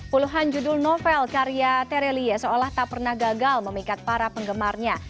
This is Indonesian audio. puluhan judul novel karya terelie seolah tak pernah gagal memikat para penggemarnya